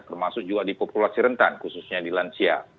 termasuk juga di populasi rentan khususnya di lansia